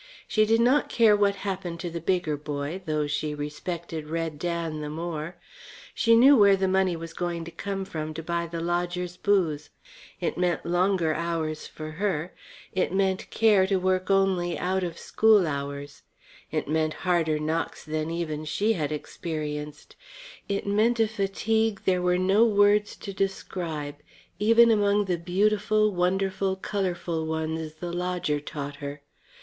She did not care what happened to the bigger boy, though she respected Red Dan the more. She knew where the money was going to come from to buy the lodger's booze. It meant longer hours for her; it meant care to work only out of school hours; it meant harder knocks than even she had experienced; it meant a fatigue there were no words to describe even among the beautiful, wonderful, colourful ones the lodger taught her.